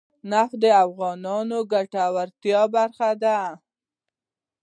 نفت د افغانانو د ګټورتیا برخه ده.